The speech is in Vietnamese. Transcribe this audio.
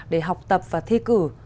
để học tập và thi cử